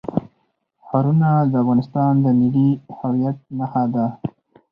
ښارونه د افغانستان د ملي هویت نښه ده.